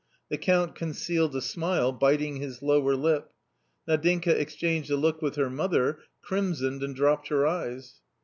The Count concealed a smile, biting his lower lip. Nadinka exchanged a look with her mother, crimsoned and dropped her eyes.